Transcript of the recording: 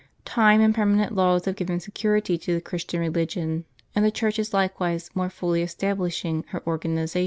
Time and perma nent laws have given security to the Christian religion, and the Church is likewise more fully establishing her organization.